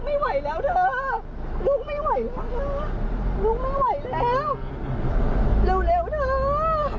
พ่อแม่รีบขับรถติดหัวใจหยุดเต้น